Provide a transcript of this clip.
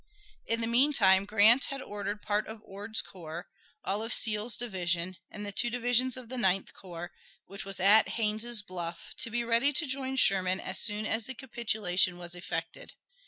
In the meantime Grant had ordered part of Ord's corps, all of Steele's division, and the two divisions of the Ninth Corps, which was at Haynes's Bluff, to be ready to join Sherman as soon as the capitulation was effected.